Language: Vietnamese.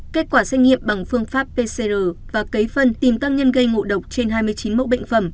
kết quả xét nghiệm bằng phương pháp pcr và cấy phân tìm tăng nhân gây ngộ độc trên hai mươi chín mẫu bệnh phẩm